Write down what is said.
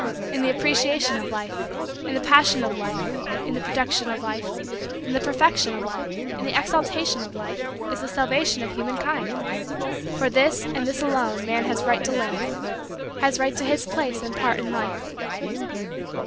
In the appreciation of Life, in the passion of Life, in the production of Life, in the perfection of Life, in the exaltation of Life, is the salvation of human kind. For this, and this alone, man has right to live has right to his place and part in Life.